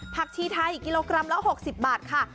ชีไทยกิโลกรัมละ๖๐บาทค่ะ